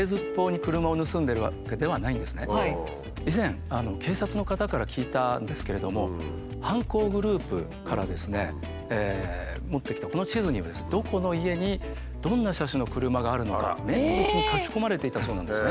以前警察の方から聞いたんですけれども犯行グループからですね持ってきたこの地図にはどこの家にどんな車種の車があるのか綿密に書き込まれていたそうなんですね。